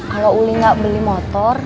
kalo wuli gak beli motor